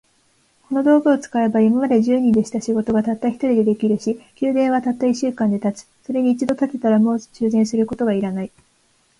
この道具を使えば、今まで十人でした仕事が、たった一人で出来上るし、宮殿はたった一週間で建つ。それに一度建てたら、もう修繕することが要らない。